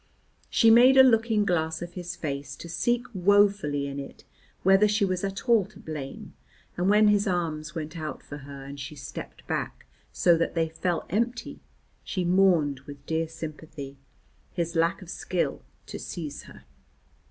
She made a looking glass of his face to seek wofully in it whether she was at all to blame, and when his arms went out for her, and she stepped back so that they fell empty, she mourned, with dear sympathy, his lack of skill to seize her.